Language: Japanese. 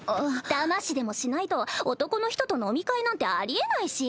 だましでもしないと男の人と飲み会なんてありえないし。